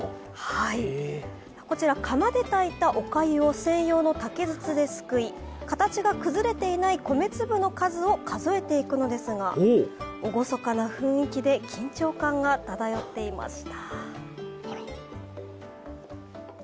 こちら釜で炊いたおかゆを専用の竹筒ですくい形が崩れていない米粒の数を数えていくのですが、厳かな雰囲気で緊張感が漂っていました。